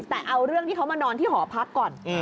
แต่เอาเรื่องที่เขามานอนที่หอพักก่อน